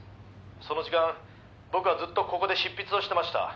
その時間僕はずっとここで執筆をしてました」